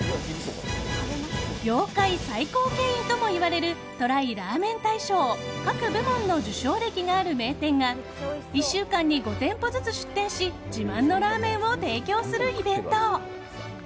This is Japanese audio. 業界最高権威ともいわれるＴＲＹラーメン大賞各部門の受賞歴がある名店が１週間に５店舗ずつ出店し自慢のラーメンを提供するイベント。